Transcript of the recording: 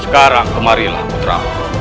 sekarang kemarilah putra